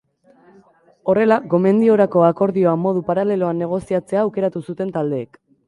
Horrela, gomendiorako akordioa modu paraleloan negoziatzea aukeratu zuten taldeek.